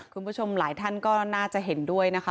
คุณผู้ชมหลายท่านก็น่าจะเห็นด้วยนะคะ